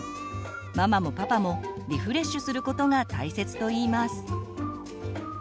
ママもパパもリフレッシュすることが大切といいます。